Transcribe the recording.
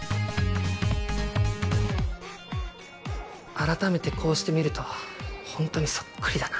改めてこうして見るとほんとにそっくりだな。